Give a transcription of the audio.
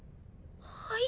はい？